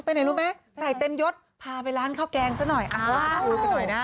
เป็นไหนรู้ไหมใส่เต็มยดพาไปร้านข้าวแกงซะหน่อยอ้าว